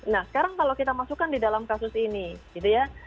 nah sekarang kalau kita masukkan di dalam kasus ini gitu ya